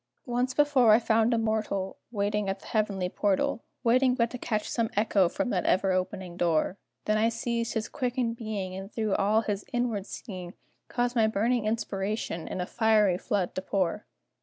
Once before I found a mortal Waiting at the heavenly portal Waiting but to catch some echo from that ever opening door; Then I seized his quickened being, And through all his inward seeing, Caused my burning inspiration in a fiery flood to pour!